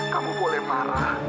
kamu boleh marah